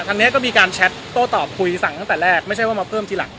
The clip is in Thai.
อันนี้ก็มีการแชทโต้ตอบคุยสั่งตั้งแต่แรกไม่ใช่ว่ามาเพิ่มทีหลัง